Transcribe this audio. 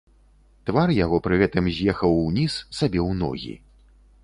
Твар яго пры гэтым з'ехаў уніз, сабе ў ногі.